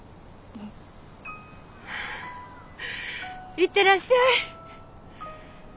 行ってらっしゃい。